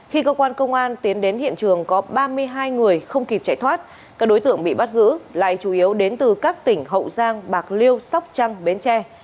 khi cơ quan công an tiến đến hiện trường có ba mươi hai người không kịp chạy thoát các đối tượng bị bắt giữ lại chủ yếu đến từ các tỉnh hậu giang bạc liêu sóc trăng bến tre